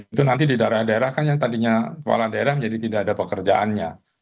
itu nanti di daerah daerah kan yang tadinya kepala daerah menjadi tidak ada pekerjaannya